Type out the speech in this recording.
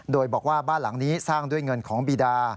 โดยบอกว่าบ้านหลังนี้สร้างด้วยเงินของบีดา